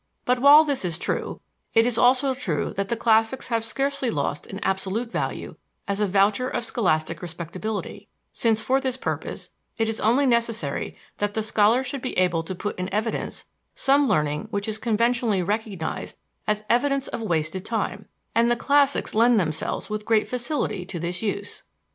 But while this is true, it is also true that the classics have scarcely lost in absolute value as a voucher of scholastic respectability, since for this purpose it is only necessary that the scholar should be able to put in evidence some learning which is conventionally recognized as evidence of wasted time; and the classics lend themselves with great facility to this use.